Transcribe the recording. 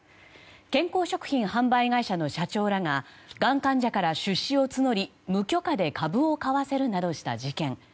健康食品販売会社の社長らががん患者らから出資を募り、無許可で株を買わせるなどした事件。